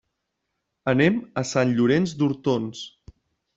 Anem a Sant Llorenç d'Hortons.